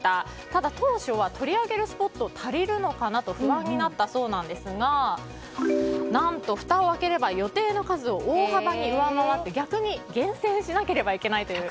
ただ、当初は取り上げるスポットが足りるのかなと不安になったそうですが何と、ふたを開ければ予定の数を大幅に上回って逆に厳選しなければいけないという。